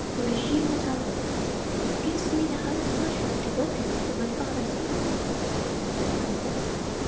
"Urashima Taro, it gives me the highest pleasure to welcome you to my father's kingdom," said the Princess.